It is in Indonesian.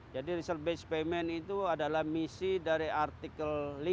result based payment itu adalah misi dari artikel lima